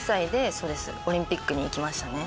オリンピックに行きましたね。